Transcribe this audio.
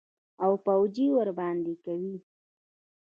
او پوجي ورباندي کوي.